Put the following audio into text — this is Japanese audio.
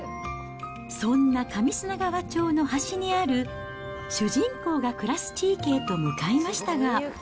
そんな上砂川町の端にある、主人公が暮らす地域へと向かいましたが。